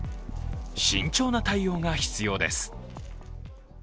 慎重な対応が必要です。